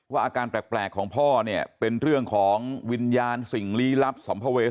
อาการแปลกของพ่อเนี่ยเป็นเรื่องของวิญญาณสิ่งลี้ลับสัมภเวษ